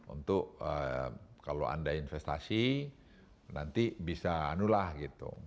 untuk kalau anda investasi nanti bisa anulah gitu